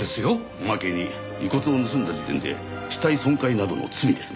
おまけに遺骨を盗んだ時点で死体損壊等の罪です。